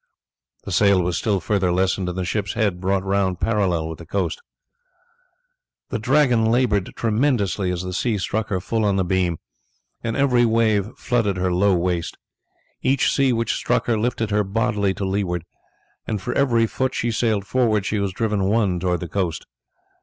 The sail was still further lessened and the ship's head brought round parallel with the coast. The Dragon laboured tremendously as the sea struck her full on the beam, and every wave flooded her low waist. Each sea which struck her lifted her bodily to leeward, and for every foot she sailed forward she was driven one towards the coast.